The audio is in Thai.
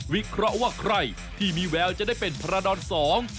วิเคราะห์ว่าใครที่มีแววจะได้เป็นพระดอนสอง